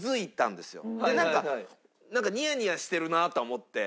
なんかなんかニヤニヤしてるなと思って。